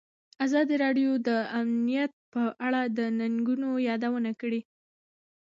ازادي راډیو د امنیت په اړه د ننګونو یادونه کړې.